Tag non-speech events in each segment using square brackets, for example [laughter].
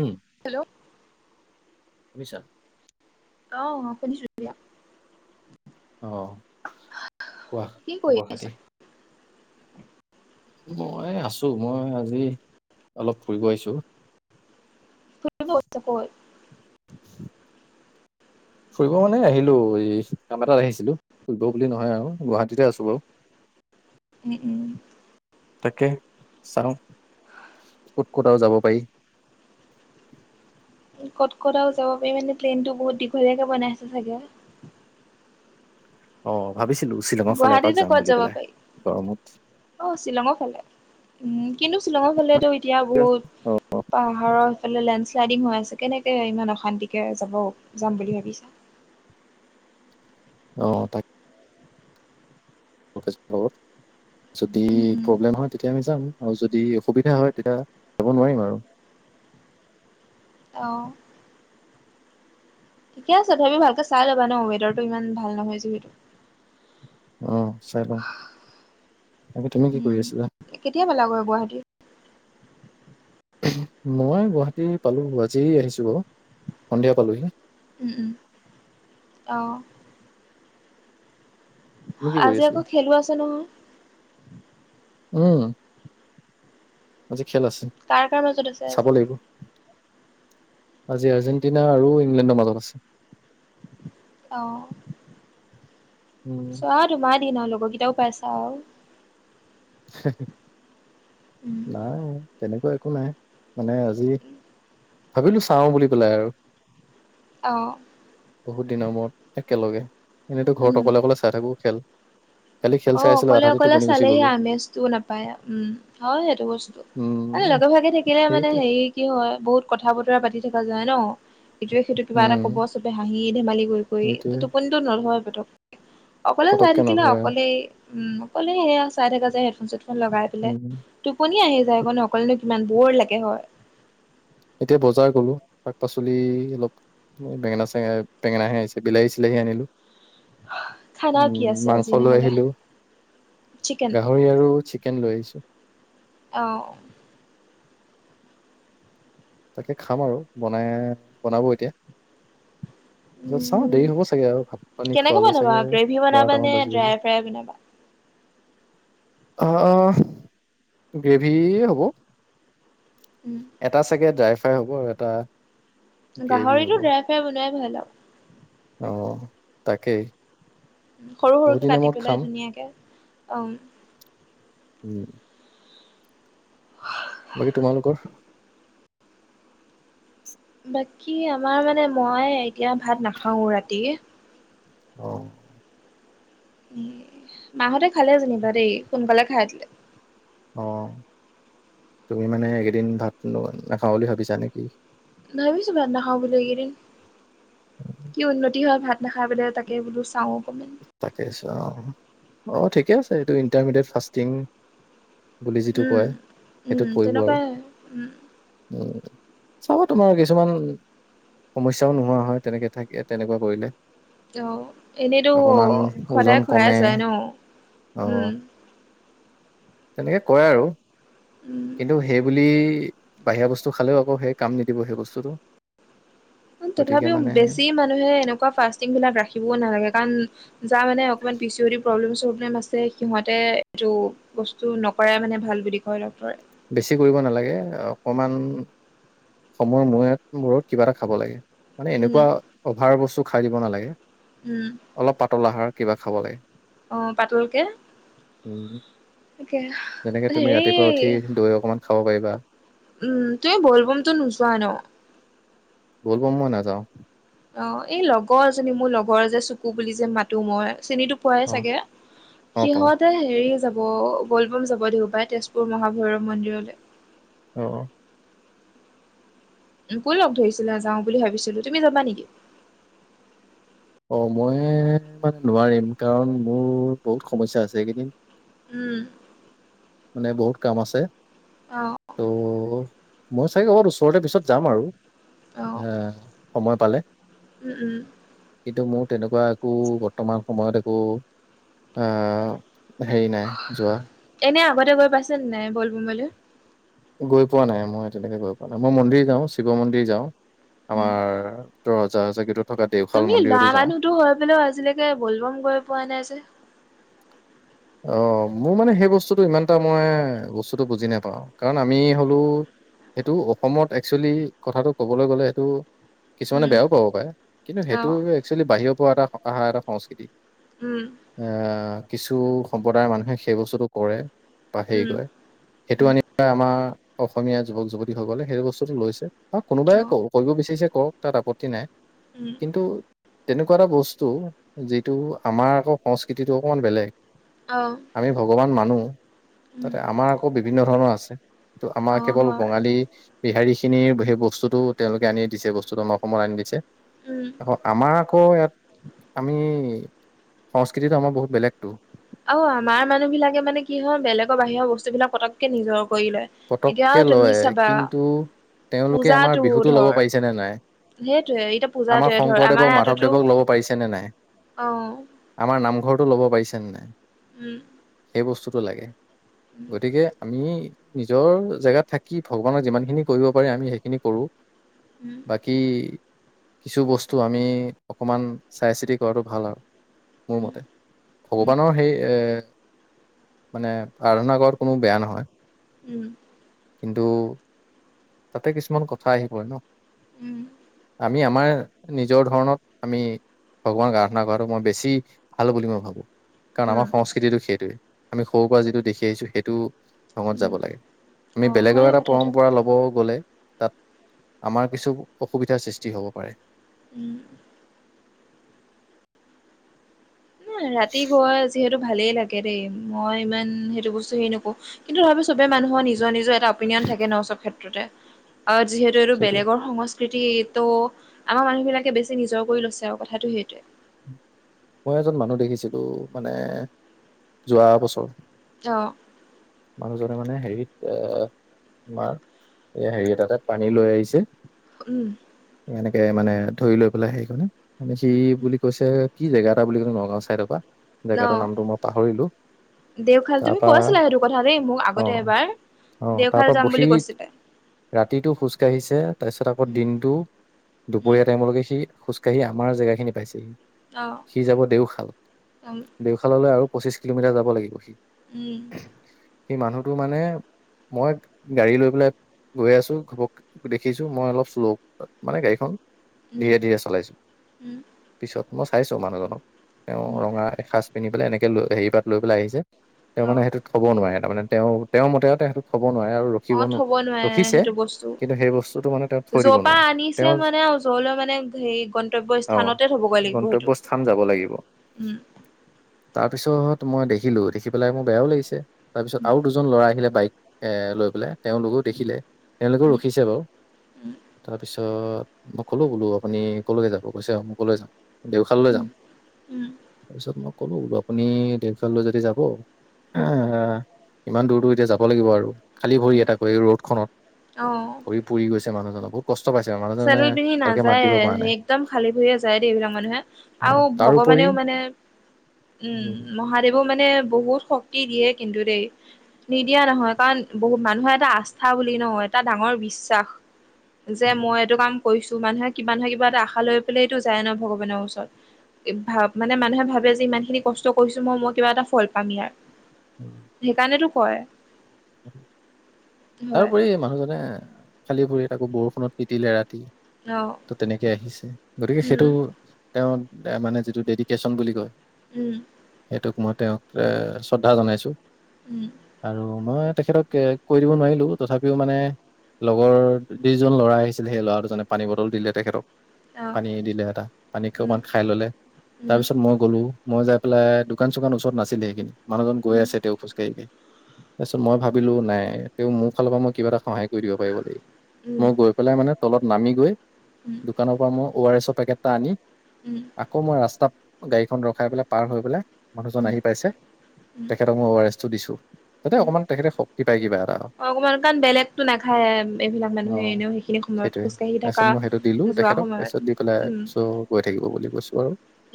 উম। Hello? শুনিছা? অ শুনিছো দিয়া। অহ, কোৱা কি কৰি খবৰ - আছা খাতি? মই আছো, মই আজি অলপ ফুৰিব আহিছো। ফক [inaudible] ফুৰিব মানে আহিলো এই কাম এটাত আহিছিলো, ফুৰিব বুলি নহয় আৰু গুৱাহাটীতে আছো বাৰু। উম উম তাকে চাওঁ, ক'ত ক'তাও যাব পাৰি? ক'ত ক'তাও যাব পাৰি মানে ট্ৰেইনটো বহুত দীঘলীয়াকৈ বনাই আছে চাগে? অ ভাবিছিলো শ্বিলঙৰ ফালে এপাক গুৱাহাটীতে যাম ক'ত বুলি যাব পেলাই পাৰি গৰমত। অ শ্বিলঙৰ ফালে। উম কিন্তু শ্বিলঙৰ ফালেতো এতিয়া বহুত অ', পাহাৰৰ সেইফালে লেণ্ড শ্লাইডিং হৈ আছে কেনে তেওঁ ইমান অশান্তিকে যাব যাম বুলি ভাবিছা? অ তাক [inaudible] যদি উম উম প্ৰব্লেম হয় তেতিয়া আমি যাম আৰু যদি অসুবিধা হয় তেতিয়া যাব নোৱাৰিম আৰু। অ। ঠিকে আছে ভাবি ভালকে চাই ল'বা ন ৱেদাৰতটো ইমান ভাল নহয় যিহেতু। অ চাই লওঁ। তাকে তুমি কি উম কৰি আছিলা? কেতিয়া পালাগৈ গুৱাহাটীৰ? মই গুৱাহাটী পালোঁ। আজি আহিছোঁ বাৰু, সন্ধিয়া পালোঁহি। উম উম। অ। তুমি কি আজি কৰি আকৌ আছিলা? খেলো আছে নহয় উম। আজি খেল আছে। কাৰ কাৰ মাজত আছে চাব আজি? লাগিব। আজি আৰ্জেণ্টিনা আৰু ইংলেণ্ডৰ মাজত আছে। অ, উম চোৱা তোমাৰ দিন আৰু লগৰ কেইটাও পাইছা আৰু। হেহ হে উম। নাই, তেনেকুৱা একো নাই। মানে আজি ভাবিলো চাওঁ বুলি পেলাই আৰু। অ। বহুত দিনৰ মূৰত একেলগে, এনেতো ঘৰত উম। অকলে অকলে চাই থাকোঁ খেল। কালি খেল অ চাই আছিলো অকলে আধাতে অকলে টোপনি গুচি চালেহি গলো আমেজটো নাপা- পায়। উম হয় সেইটো বস্তু। আৰু উম লগে ভাগে থাকিলে মানে সেইটোৱে হেৰি, কি হয় বহুত কথা বতৰা পাতি থকা যায় ন! ইটোয়ে সিটোক কিবা এটা উম কব চবে হাঁহি ধেমালি কৰি কৰি, ত সেইটোৱে টোপনিটো নধয়ে পতক- অকলে চাই পতককে থাকিলে নধৰে অকলেই উম, অকলে সেয়া চাই থাকা যে হেডফোন চেডফোন লগাই পেলাই, উম টোপনিয়ে আহি যায় অ ন অকলেনো কিমান বৰ লাগে হয়। এতিয়া বজাৰ গলো। শাক পাচলি অলপ- এই বেঙেনা চেঙেনা বেঙেনাহে আহিছে বিলাহী চিলাহী আনিলো। খানা কি উম আছে মাংস আজি লৈ নহ'লে আহিলো, চিকেন গাহৰি- ৰি আৰু চিকেন লৈ আহিছো। অ। তাকে খাম আৰু, বনাই বনাব এতিয়া। [inaudible] পিছত চাওঁ দেৰি উম, হ'ব চাগে আৰু ভাত পানী কেনেকে খোৱালৈ বনাবা চাগে গ্ৰেভি বনাবা বাৰটামান নে বাজিবগে। ড্ৰাই ফ্ৰাই বনাবা? [inaudible] অ অ গ্ৰেভি হ'ব। উম। এটা চাগে ড্ৰাই ফ্ৰাই হ'ব আৰু এটা, গ্ৰেভি হ'ব গাহৰিটো ড্ৰাই ফ্ৰাই বনোৱাই ভাল আৰু। অ তাকেই। সৰু বহুত সৰুকে দিনৰ কাটি মূৰত খাম পেলাই ধুনীয়াকে। অ উম। উম। বাকী তোমালোকৰ? বাকী আমাৰ মানে মই এতিয়া ভাত নাখাওঁ ৰাতি। অ। উম, মাহতে খালে যেনিবা দেই সোনকালে খাই উঠিলে। অ, তুমি মানে এইকেইদিন ভাত নো নাখাওঁ বুলি ভাবিছা নেকি? ভাবিছো ভাত নাখাওঁ বুলি এইকেইদিন। কি উন্নতি হয় ভাত- নাখায় পেলাই তাকে বোলো চাওঁ অকনমান। তাকে চাওঁ, অ ঠিকে আছে এইটো ইণ্টাৰমিডিয়েট ফাষ্ট তিঙ- বুলি যিটো উম, কয়, উম, সেইটোত পৰিব আৰু। তেনেকুৱাই উম। উম চাব তোমাৰ কিছুমান, সমস্যাও নোহোৱা হয় তেনেকে থাকে তেনেকুৱা কৰিলে অঁ এনেইতো অকমান ওজন সদায় খুৱাই কমে যায় ন অ ওম তেনেকে কয় আৰু উম। কিন্তু সেইবুলি বাহিৰা বস্তু খালেও আকৌ সেই কাম নিদিব সেই বস্তুটো। গতিকে তথাপিও মানে বেছি মানুহে এনেকুৱা ফাষ্টিং বিলাক ৰাখিবও নালাগে কাৰণ যা মানে অকণমান পিচিৰটি প্ৰব্লেম চব্লেম আছে সিহঁতে এইটো বস্তু নকৰাই মানে ভাল বুলি কয় ড্ক্তৰে। বেছি কৰিব নালাগে অকণমান সময়ৰ মূৰত কিবা এটা খাব লাগে। মানে উম এনেকুৱা অভাৰ বস্তু খাই দিব নালাগে। উমঁ! অলপ পাতল আহাৰ কিবা খাব লাগে। অঁ! পাতলকে উঁ তাকে যেনেকে তুমি হেৰি ৰাতিপুৱা উঠি দৈ অকমান খাব পাৰিবা। উমঁ! তুমি বলবমতো নোযোৱা ন। ব'ল বম মই নাযাওঁ। অঁ! এই লগৰজনী মোৰ লগৰ যে চোকু বুলি যে মাতো মই চেনীটো পোৱাই অ চাগে অ পাওঁ সিহঁত হেৰি যাব ব'ল বম যাব দেউবাৰে তেজপুৰ মহাভৈৰৱ মন্দিৰলৈ। অঁ অঁ! মোকো লগ ধৰিছিলে যাও বুলি ভাবিছিলো তুমি যাবা নেকি? অঁ! মই মানে নোৱাৰিম কাৰণ মোৰ বহুত সমস্যা আছে এইকেইদিন। উমঁ! মানে বহুত কাম আছে অঁ! ত' মই চাগে ওচৰতে পিছত যাম আৰু এ সময় পালে। উমঁ! উমঁ! কিন্তু মোৰ তেনেকুৱা একো বৰ্তমান সময়ত একো আহ হেৰি নাই যোৱা। এনে আগতে গৈ পাইছে ন নাই বলবমলৈ গৈ পোৱা নাই মই তেনেকে গৈ পোৱা নাই মই মন্দিৰ যাওঁ শিৱ মন্দিৰ যাওঁ উম আমাৰ তই ৰজা গেতত তুমি ল'ৰা মানুহতো হৈ পেললেও আজিলৈকে বলবম গৈ পোৱা নাই যে অঁ! মোৰ মানে সেই বস্তুটো ইমান এটা মই বস্তুটো বুজি নাপাওঁ কাৰণ আমি হলো এইটো অসমত একচৱেলি কথাটো কবলৈ গ'লে এইটো কিছুমানে উম বেয়াও পাব পাৰে কিন্তু অ সেইটো এক্চৱেলি বাহিৰৰ পৰা এটা অহা এটা সংস্কৃতি। উমঁ! আহ কিছু সম্প্ৰদায়ৰ মানুহে সেই বস্তুটো কৰে। বা হেৰি উম কৰে সেইটো উম আনি আমাৰ অসমীয়া যুৱক যুৱতীসকলে সেইটো বস্তুটো লৈছে। অ কোনোবাই কৰিব বিচাৰিছে কৰক তাত আপত্তি নাই উমঁ! কিন্তু তেনেকুৱা এটা বস্তু যিটো আমাৰ আকৌ সংস্কৃতিটো অকণমান বেলেগ অঁ! আমি ভগৱান মানো তাতে আমাৰ আকৌ বিভিন্ন ধৰণৰ আছে তো অ আমাৰ কেৱল হয় বঙালী বিহাৰী খিনিৰ সেই বস্তুটো তেওঁলোকে আনি দিছে বস্তুটো আমাৰ অসমত আনি দিছে। উম। অঁ আমাৰ আকৌ ইয়াত আমি সংস্কৃতিটো আমাৰ বহুত বেলেগতটো। আৰু আমাৰ মানুহ বিলাকে মানে কি হল, বেলেগৰ বাহিৰৰ বস্তু বিলাক পটককে নিজৰ কৰি লয়। এতিয়া পতককে তুমি লয় চাবা কিন্তু তেওঁলোকে আমাৰ পূজাটো বিহুতটো ল'ব ধৰ পাৰিছে নে নাই? সেইটোয়ে এতিয়া আমাৰ পূজাটোৱে ধৰ শংকৰদেৱক মাধৱদেৱক ল'ব পাৰিছে নে নাই? অঁ। আমাৰ নামঘৰটো ল'ব পাৰিছে নে নাই? উম। সেই বস্তুটো লাগে উম গতিকে আমি নিজৰ জেগাত থাকি ভগৱানক যিমান খিনি কৰিব পাৰে আমি সেইখিনি কৰো উম বাকী বাকী কিছু বস্তু আমি অকণমান চাই চিতি কৰাটো ভাল আৰু। মোৰ উম মতে, উম ভগৱানৰ সেই এ মানে আৰাধনা কৰাত কোনো বেয়া নহয়। উম। কিন্তু তাতে কিছুমান কথা আহি পৰে ন। উম। আমি আমাৰ নিজৰ ধৰণত আমি ভগৱানক আৰাধনা কৰাতো মই বেছি ভাল বুলি মই ভাবো। কাৰণ উম, আমাৰ সংস্কৃতিটো সেইটোৱে, আমি সৰুৰ পৰা যিটো দেখি আহিছো সেইটো ধঙত উম, যাব লাগে, আমি অ', বেলেগৰ হয় এটা কথাটো পৰম্পৰা ল'ব গ'লে তাত আমাৰ কিছু অসুবিধাৰ সৃষ্টি হ'ব পাৰে। উম। ৰাতি গোৱা যিহেতু ভালেই লাগে দেই মই ইমান সেইটো বস্তু হেৰি নকৰো, কিন্তু তথাপিও চবে মানুহৰ নিজ নিজৰ নিজৰ এটা অপিনিয়ন থাকে ন সব ক্ষেত্ৰতে অ যিহেতু এইটো সেইটোৱে বেলেগৰ সংস্ক কৃতি ত আমাৰ মানুহবিলাকে বেছি নিজৰ কৰি লৈছে আওঁ কথাটো সেইটোৱে। মই এজন মানুহ দেখিছিলো মানে যোৱা বছৰ। অঁ। মানুহজনে মানে হেৰিত এ তোমাৰ এই হেৰি এটাতে পানী লৈ আহিছে উম। এনেকে মানে ধৰি লৈ পেলাই সেইখনে মানে সি বুলি কৈছে কি জেগা এটা বুলি কলে নগাওঁ চাইডৰ পৰা জেগাটোৰ নামটো মই পাহৰিলো। দেওখাল তুমি কৈছিলা সেইটো কথা দেই মোক অ আগতে এবাৰ, অ দেওখাল তাৰপা যাম বহি বুলি কৈছিলে। ৰাতিটো খোজ কাঢ়িছে তাৰপিছত আকৌ উম, দিনটো উম, দুপৰীয়া টাইমলৈকে সি খোজকাঢ়ি আমাৰ জেগাখিনি পাইছেহি। অ', সি যাব দেওশাল, উম, দেওশাললৈ আৰু পঁচিশ কিলোমিটাৰ যাব লাগিব সি। উম। সি মানুহটো মানে মই গাড়ী লৈ পেলাই গৈ আছো ঘপককে দেখিছো মই অলপ শ্ল' মানে গাড়ীখন উম, ধীৰে ধীৰে চলাইছো। উম। পিছত মই চাইছো মানুহজনক, তেওঁ উম, ৰঙা এসাঁজ পিন্ধি পেলাই এনেকে লৈ হেৰি পাত লৈ পেলাই আহিছে। তেওঁ মানে অ'। সেইটোত থ'ব নোৱাৰে তাৰ মানে তেওঁৰ মতে সেইটোত থব নোৱাৰে আৰু ৰখিব অ থব নোৱাৰে ৰখিছে সেইটো বস্তু কিন্তু সেই বস্তুটো মানে তেওঁ থৈ দিব যৰ পৰা নোৱাৰে আনিছে তেওঁ মানে জৰলৈ মানে সেই গন্তব্য অ স্থানতে থবগৈ লাগিব সেইটো গন্তব্য স্থান যাব লাগিব উম তাৰ পিছত মই দেখিলো দেখি পেলাই মোৰ বেয়াও লাগিছে তাৰপিছত উম আৰু দুজন দুজন ল'ৰা আহিলে বাইক এ লৈ পেলাই তেওঁলোকো দেখিলে তেওঁলোকেও উম ৰখিছে বাৰু উম তাৰপিছত মই ক'লো বোলো আপুনি কলৈকে যাব কৈছে মই আমুকলে যাম দেওশাললৈ উম যাম উম তাৰপিছত মই ক'লো বোলো আপুনি দেওশাললৈ যদি যাব এ হা হা ইমান দূৰ দূৰ এতিয়া যাব লাগিব আৰু খালি উম ভৰিৰে তাকো এই ৰ'দখনত অ ভৰি পুৰি গৈছে মানুহজনক আক কষ্ট পাইছে মানুহজনে চেন্দেল মানে পিন্ধি ভালকে মাত নাযায় দিব পৰা নাই একদম খালি ভৰিৰে যায় দেই এইবিলাক মানুহে আৱ অ', তাৰোপৰি ভগৱানেও মানে উম মহাদেৱো মানে বহুত শক্তি দিয়ে কিন্তু দেই নিদিয়া নহয় কাৰণ বহুত মানুহৰ এটা আস্থা বুলি ন এটা ডাঙৰ বিশ্বাস যে উম, মই এইটো কাম কৰিছো মানুহে কিবা নহয় কিবা এটা আশা লৈ পেলাইটো যায় ন ভগৱানৰ ওচৰত ভা মানে মানুহে ভাবে যে ইমান খিনি কষ্ট কৰিছো মই মই কিবা এটা ফল পাম ইয়াৰ উম সেইকাৰণেটো কয় তাৰ হয় ওপৰি মানুহজনে খালি ভৰিৰে আকৌ বৰষুণত তিতিলে ৰাতি অ ত তেনেকে আহিছে গতিকে উম সেইটো তেওঁ মানে যিটো ডেডিকেশ্যন বুলি কয় উম সেইটোক মই তেওঁক এ শ্ৰদ্ধা জনাইছো উম আৰু মই তেখেতক এ কৈ দিব নোৱাৰিলো তথাপিও মানে লগৰ যিজন ল'ৰা আহিছিল সেই ল'ৰা দুজনে পানী বটল দিলে তেখেতক অ পানী দিলে এটা পানী উম অকমান খাই ললে উম তাৰ পিছত মই গলো মই যাই পেলাই দোকান চোকান ওচৰত নাছিলে সেইখিনি মানুহজন গৈ উম আছে তেওঁ খোজ কাঢ়ি কাঢ়ি তাৰপিছত মই ভাবিলো নাই তেওঁ মোৰ ফালৰ পৰা মই কিবা এটা সহায় কৰি দিব পাৰিব লাগি উম মই গৈ পেলাই মানে তলত নামি গৈ উম দোকানৰ পৰা মই ঔ আৰ এছৰ পেকেট এটা আনি উম আকৌ মই ৰাস্তাত গাড়ীখন ৰখাই পেলাই পাৰ হৈ পেলাই উম মানুহজন উম আহি পাইছে উম তেখেতক মই ঔ আৰ এছ টো দিছো যাতে অকণমান তেখেতে শক্তি পাই কিবা এটা অ অকমান কাৰণ বেলেগতো নাখায় এইবিলাক মানুহে অ' এনেও সেইখিনি সময়ত সেইটোৱে। খোজকাঢ়ি থকা তাৰপিছত মই সেইটো দিলোঁ যোৱা তেখেতক সময়ত তাৰপিছত দি পেলাই উম চ' গৈ থাকিব বুলি কৈছোঁ আৰু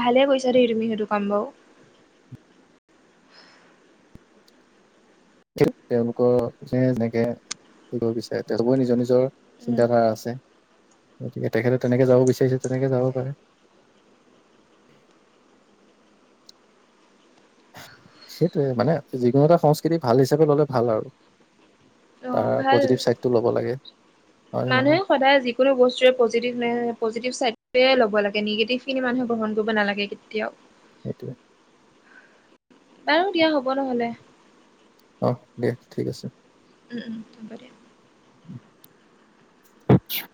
ভালে কৈছা দেই তুমি সেইটো কাম বাৱ তেওঁলোকৰ যে যেনেকে দিব বিচাৰে তেওঁলোকৰ নিজৰ নিজৰ উম চিন্ত ধাৰা আছে গতিকে তেখেতে তেনেকে যাব বিচাৰিছে তেনেকে যাব পাৰে সেইটোয়ে মানে যিকোনো এটা সংস্কৃতি ভাল হিচাপে ললে ভাল আৰু অ তাৰ পজিটিভ ছাইডটো ল'ব লাগে হয় নে মানুহ নহয় সদায় যিকোনো বস্তুৱে পজিটিভ পজিটিভ চাইডে ল'ব লাগে, নিগেটিভ খিনি মানুহে গ্ৰহণ কৰিব নালাগে। কেতিয়াও। সেইটোৱে বাৰু দিয়া হ'ব নহলে অ দিয়া ঠিক আছে। উম উম আা [inaudible]